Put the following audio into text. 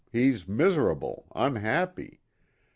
He's miserable, unhappy.'